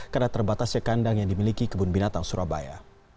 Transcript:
karena terbatasnya kandang yang dimiliki kebun binatang surabaya